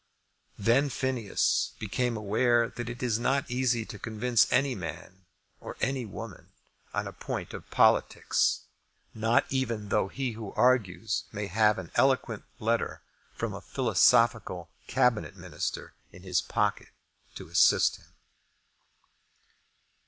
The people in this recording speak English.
Then Phineas became aware that it is not easy to convince any man or any woman on a point of politics, not even though he who argues may have an eloquent letter from a philosophical Cabinet Minister in his pocket to assist him.